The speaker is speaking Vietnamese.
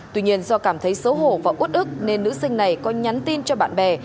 tuy nhiên do cảm thấy xấu hổ và út ức nên nữ sinh này có nhắn tin cho bạn bè